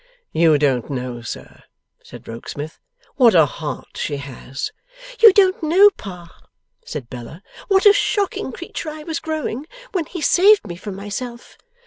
'You don't know, sir,' said Rokesmith, 'what a heart she has!' 'You don't know, Pa,' said Bella, 'what a shocking creature I was growing, when he saved me from myself!